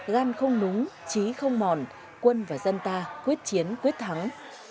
gan không núng trí không mòn quân và dân ta quyết chiến quyết thắng